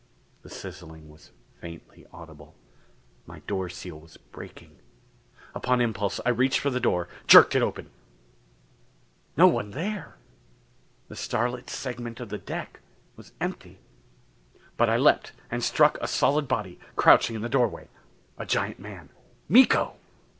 The sizzling was faintly audible. My door seal was breaking. Upon impulse I reached for the door, jerked it open. No one there! The starlit segment of deck was empty. But I leaped and struck a solid body, crouching in the doorway. A giant man. Miko!